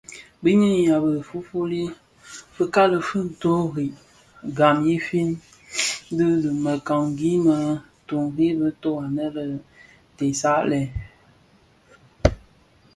Bi nyinim a be fuli fuli, fikali fi boterri gam fi dhi bi mekani me guthrie dho anë a dhesag lè.